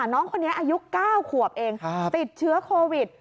น้องคนนี้อายุ๙ขวบเองติดเชื้อโควิด